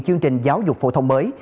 chương trình giáo dục phổ thông mới